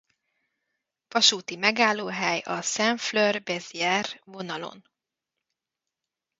Vasúti megállóhely a Saint-Flour-Béziers vonalon.